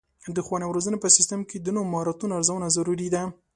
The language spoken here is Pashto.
د ښوونې او روزنې په سیستم کې د نوو مهارتونو ارزونه ضروري ده.